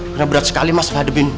kenapa berat sekali mas menghadapi